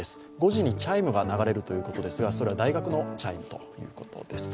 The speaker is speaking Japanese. ５時にチャイムが流れるということですが、それは大学のチャイムということです。